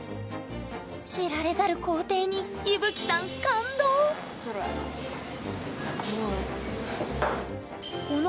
知られざる工程にいぶきさんすごい。